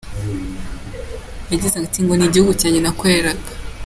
Yagize ati:” Ni igihugu cyanjye nakoreraga.